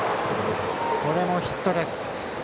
これもヒットです。